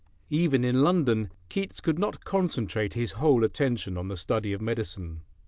Even in London, Keats could not concentrate his whole attention on the study of medicine.